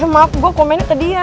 maaf gue komennya ke dia